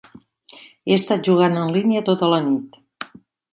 He estat jugant en línia tota la nit.